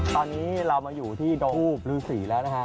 ตอนนี้เรามาอยู่ที่ดงทูบฤษีแล้วนะฮะ